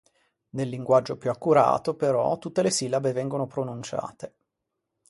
Nel linguaggio più accurato però tutte le sillabe vengono pronunciate.